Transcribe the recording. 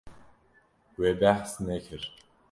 We behs nekir.